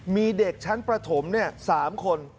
มีเด็กชั้นประถม๓คน